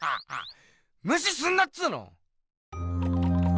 むしすんなっつうの！